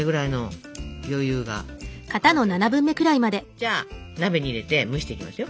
じゃあ鍋に入れて蒸していきますよ。